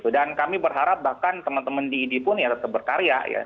dan kami berharap bahkan teman teman di id pun berkarya